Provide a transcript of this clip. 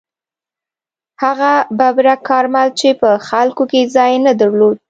هغه ببرک کارمل چې په خلکو کې ځای نه درلود.